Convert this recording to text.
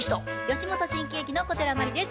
吉本新喜劇の小寺真理です。